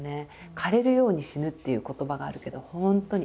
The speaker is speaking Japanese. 「枯れるように死ぬ」っていう言葉があるけど本当に。